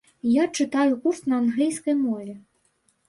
Я чытаю курс на англійскай мове.